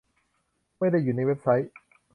ไม่ได้อยู่ในเว็บไซต์